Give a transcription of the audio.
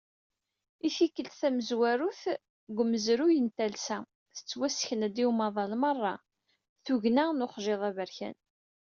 I tikkelt tamezwarut deg umezruy n talsa, tettwasken-d i umaḍal merra tugna n uxjiḍ aberkan.